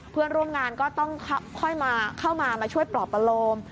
เพื่อนร่วมงานก็ต้องค่อยเข้ามามาช่วยปลอบประโลม